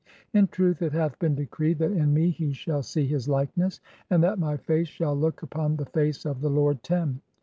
In truth, it hath been decreed that in me he shall "see his likeness, and that my face (16) shall look upon the "face of the lord Tem.